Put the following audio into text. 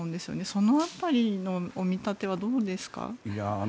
その辺りの見立てはどうですか？